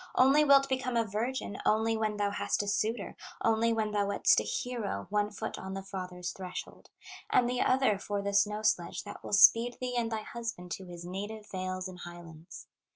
Only wilt become a virgin, Only when thou hast a suitor, Only when thou wedst a hero, One foot on the father's threshold, And the other for the snow sledge That will speed thee and thy husband To his native vales and highlands!